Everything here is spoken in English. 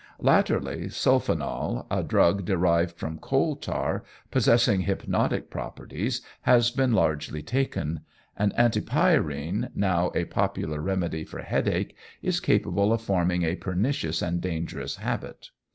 Latterly, sulphonal, a drug derived from coal tar, possessing hypnotic properties, has been largely taken; and antipyrine, now a popular remedy for headache, is capable of forming a pernicious and dangerous habit.